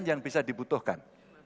apa yang bisa dibutuhkan